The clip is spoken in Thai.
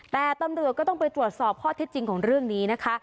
แต่ตำรวจก็ต้องไปตรวจสอบข้อเท็จจริงของเรื่องนี้นะคะ